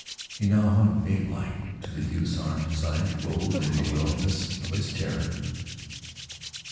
He now hung babelike to the youth's arm. His eyes rolled in the wildness of his terror.